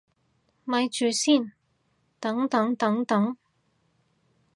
咪住先，等等等等